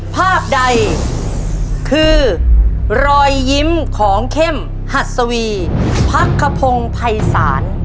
ภาพใดคือรอยยิ้มของเข้มหัดสวีพักขพงศ์ภัยศาล